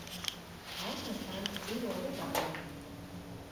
Ausmas tante dzīvo Lubānā.